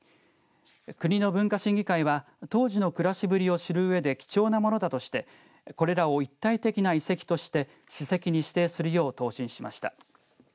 国の文化審議会は当時の暮らしぶりを知るうえで貴重なものだとして、これらを一体的な遺跡として史跡に指定するよう答申しました。